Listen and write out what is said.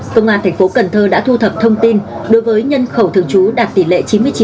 công an tp cần thơ đã thu thập thông tin đối với nhân khẩu thường trú đạt tỷ lệ chín mươi chín bảy mươi ba